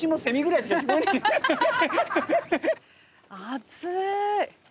暑い。